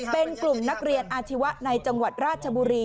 เป็นกลุ่มนักเรียนอาชีวะในจังหวัดราชบุรี